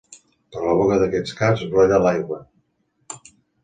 Per la boca d'aquests caps brolla l'aigua.